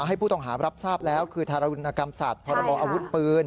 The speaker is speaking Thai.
ให้ผู้ต้องหารับทราบแล้วคือทารุณกรรมสัตว์พรบออาวุธปืน